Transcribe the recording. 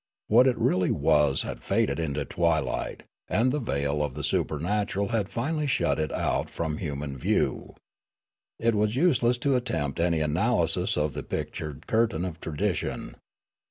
What it really was had faded into twilight, and the veil of the supernatural had finally shut it out from human view. It was useless to attempt analysis of the pictured cur tain of tradition.